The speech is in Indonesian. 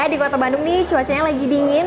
di kota bandung nih cuacanya lagi dingin